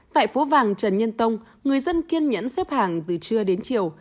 tại phố vàng trần nhân tông người dân kiên nhẫn xếp hàng từ trưa đến chiều